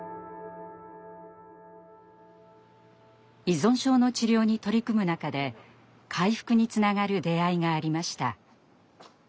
依存症の治療に取り組む中で回復につながる出会いがありました。